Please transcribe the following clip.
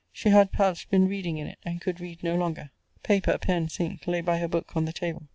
She had perhaps been reading in it, and could read no longer. Paper, pens, ink, lay by her book on the table.